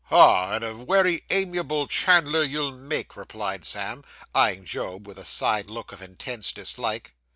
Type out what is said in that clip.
'Ah, and a wery amiable chandler you'll make,' replied Sam, eyeing Job with a side look of intense dislike.